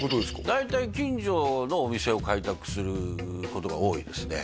大体近所のお店を開拓することが多いですね